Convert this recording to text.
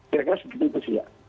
kira kira seperti itu sih ya